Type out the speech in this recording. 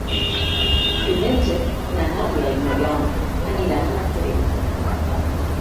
Diumenge na Nàdia i n'Oriol aniran a Martorell.